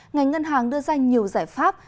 ngành ngân hàng đưa ra nhiều giải pháp